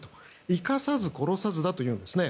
生かさず殺さずだというんですね。